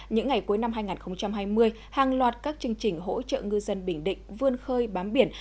những ngày cuối năm hai nghìn hai mươi hàng loạt các chương trình hỗ trợ ngư dân bình định vươn khơi bám biển